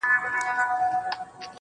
په درد آباد کي، ویر د جانان دی.